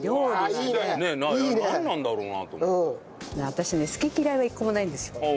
私ね好き嫌いは１個もないんですよ。